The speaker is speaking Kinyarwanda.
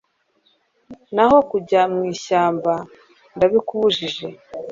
Naho kujya mu ishyamba ndabikubujije